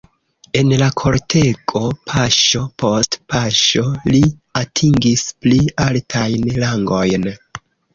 En la kortego paŝo post paŝo li atingis pli altajn rangojn.